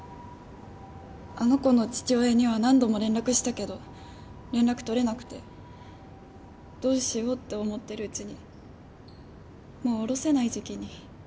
あの子の父親には何度も連絡したけど連絡取れなくてどうしようって思ってるうちにもうおろせない時期に。